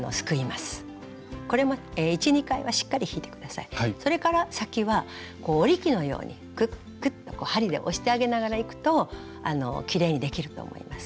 それから先は織り機のようにクックッと針で押してあげながらいくときれいにできると思います。